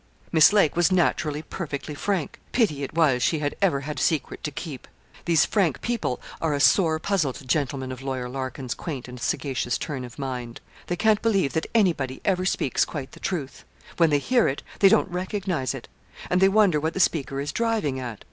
Miss Lake was naturally perfectly frank. Pity it was she had ever had a secret to keep! These frank people are a sore puzzle to gentlemen of Lawyer Larkin's quaint and sagacious turn of mind. They can't believe that anybody ever speaks quite the truth: when they hear it they don't recognise it, and they wonder what the speaker is driving at.